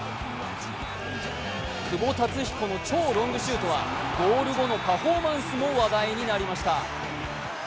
久保竜彦の超ロングシュートはゴール後のパフォーマンスも話題になりました。